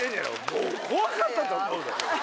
もう怖かったと思うで。